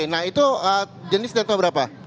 nah itu jenisnya berapa